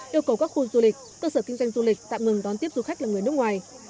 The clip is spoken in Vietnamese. yêu cầu các khu du lịch cơ sở kinh doanh du lịch tạm ngừng đón tiếp du khách là người nước ngoài